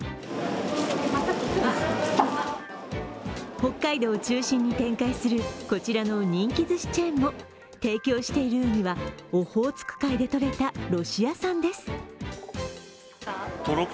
北海道を中心に展開するこちらの人気寿司チェーンも提供しているうにはオホーツク海でとれたロシア産です。